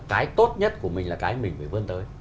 cái tốt nhất của mình là cái mình phải vươn tới